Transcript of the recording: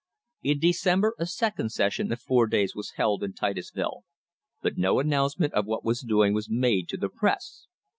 In December a second session of four days was held in Titusville, but no announcement of what was doing was made to the press.